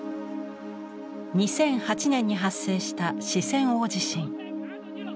２００８年に発生した四川大地震。